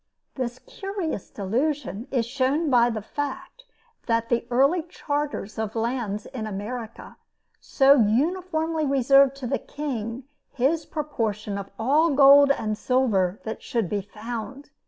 This curious delusion is shown by the fact that the early charters of lands in America so uniformly reserved to the King his proportion of all gold and silver that should be found.